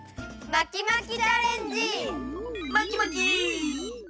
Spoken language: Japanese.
まきまき！